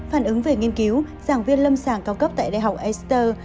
phản ứng về nghiên cứu giảng viên lâm sàng cao cấp tại đại học ester